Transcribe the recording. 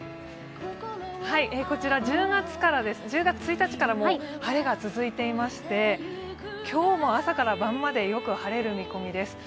こちら１０月１日から晴れが続いていまして、今日も朝から晩までよく晴れる見込みです。